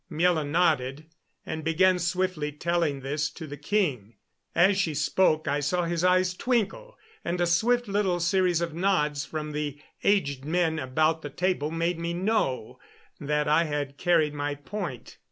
Miela nodded, and began swiftly telling this to the king. As she spoke I saw his eyes twinkle and a swift little series of nods from the aged men about the table made me know that I had carried my point.